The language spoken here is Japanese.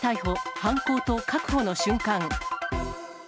犯行と確保の瞬間。